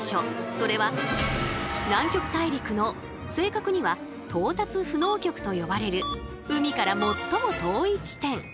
それは南極大陸の正確には「到達不能極」と呼ばれる海から最も遠い地点。